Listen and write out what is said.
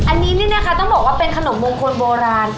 อันนี้นี่นะคะต้องบอกว่าเป็นขนมมงคลโบราณ